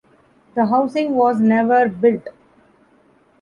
The housing was never built.